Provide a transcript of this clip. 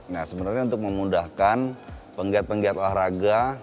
nah sebenarnya untuk memudahkan penggiat penggiat olahraga